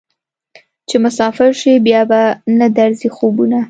چې مسافر شې بیا به نه درځي خوبونه